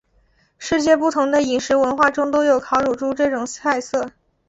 世界不同的饮食文化中都有烧乳猪这种菜色。